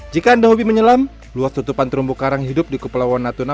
jika anda hobi menyelam luas tutupan terumbu karang hidup di kepulauan natuna